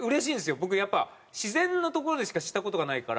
僕やっぱ自然の所でしかした事がないから。